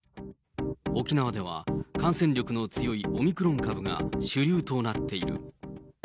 沖縄では感染力の強いオミクロン株が主流となっている。